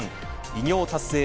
偉業達成